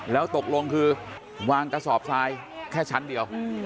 แล้วตกลงคือวางกระสอบทรายแค่ชั้นเดียว